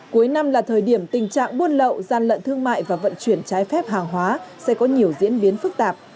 cuối năm là thời điểm tình trạng buôn lậu gian lận thương mại và vận chuyển trái phép hàng hóa sẽ có nhiều diễn biến phức tạp